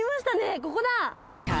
ここだ。